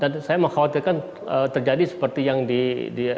dan saya mengkhawatirkan terjadi seperti yang di rumah sakit ashifa